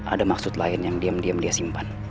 ada maksud lain yang diam diam dia simpan